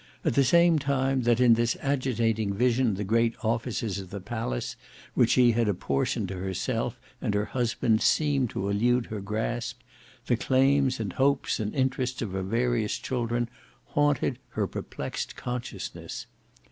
At the same time that in this agitating vision the great offices of the palace which she had apportioned to herself and her husband seemed to elude her grasp; the claims and hopes and interests of her various children haunted her perplexed consciousness.